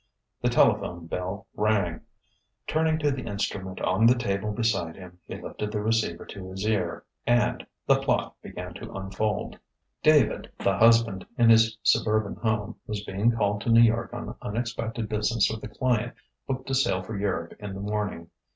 The telephone bell rang. Turning to the instrument on the table beside him, he lifted the receiver to his ear and the plot began to unfold. David, the husband, in his suburban home, was being called to New York on unexpected business with a client booked to sail for Europe in the morning.